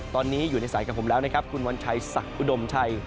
ตอนนี้อยู่ในสายกับผมแล้วนะครับคุณวัญชัยศักดิ์อุดมชัย